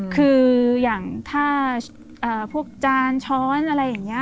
คืออย่างถ้าพวกจานช้อนอะไรอย่างนี้